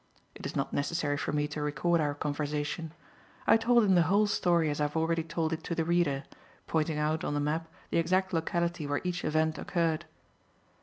It is not necessary for me to record our conversation. I told him the whole story as I have already told it to the reader, pointing out on the map the exact locality where each event occurred.